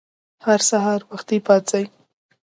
هر سهار وختي پاڅئ!